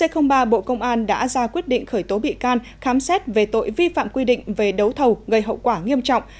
c ba bộ công an đã ra quyết định khởi tố bị can khám xét về tội vi phạm quy định về đấu thầu gây hậu quả nghiêm trọng